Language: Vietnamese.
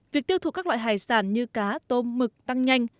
việc tiêu thụ các loại hải sản như cá tôm mực tăng nhanh